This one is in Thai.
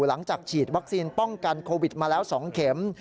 หลังจากฉีดวัคซีนป้องกันโควิดมาแล้ว๒เข็ม